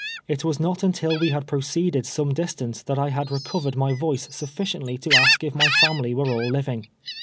It was not until we had proceeded some distance that I had recovered my voice sutiiciently to ask if my family were all living.